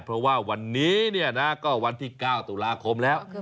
เพราะว่าวันนี้ก็วันที่๙ตุลาคมแล้ว